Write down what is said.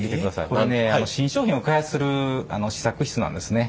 これはね新商品を開発する試作室なんですね。